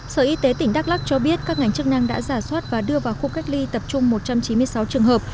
sở y tế tỉnh đắk lắc cho biết các ngành chức năng đã giả soát và đưa vào khu cách ly tập trung một trăm chín mươi sáu trường hợp